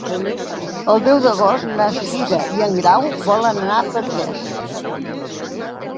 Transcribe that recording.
El deu d'agost na Cira i en Grau volen anar a Petrés.